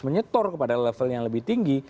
menyetor kepada level yang lebih tinggi